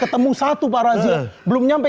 ketemu satu pak razia belum nyampe